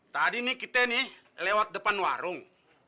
tadi nih kita nih lewat depan warung